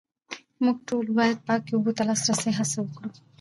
موږ ټول باید پاکو اوبو ته د لاسرسي هڅه وکړو